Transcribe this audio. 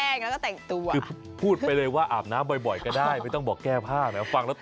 ในประเทศไทยเข้ายร้อนกันแบบไหนครับ